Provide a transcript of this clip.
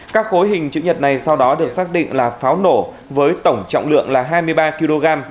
các khối hình chữ nhật này sau đó được xác định là pháo nổ với tổng trọng lượng là hai mươi ba kg